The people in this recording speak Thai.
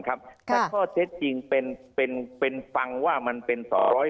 ถ้าเค้าจะเคยพังว่ามันเป็น๒๘๘